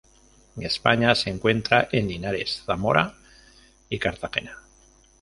En España se encuentra en Linares, Zamora y Cartagena.